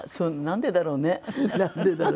なんでだろうね。